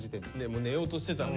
もう寝ようとしてたのに。